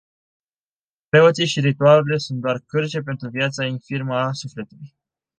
Preoții și ritualurile sunt doar cârje pentru viața infirmăa sufletului.